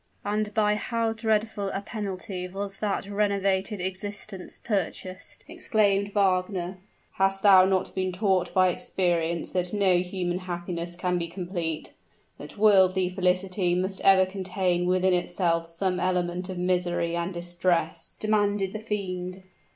"And by how dreadful a penalty was that renovated existence purchased!" exclaimed Wagner. "Hast thou not been taught by experience that no human happiness can be complete? that worldly felicity must ever contain within itself some element of misery and distress?" demanded the fiend.